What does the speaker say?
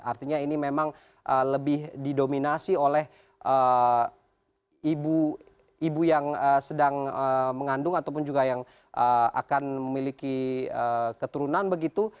artinya ini memang lebih didominasi oleh ibu yang sedang mengandung ataupun juga yang akan memiliki keturunan begitu